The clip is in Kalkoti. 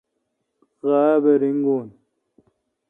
غابہ ریگون۔